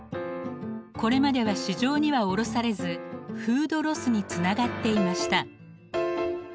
これまでは市場には卸されずフードロスにつながっていました。